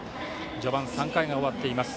序盤３回が終わっています。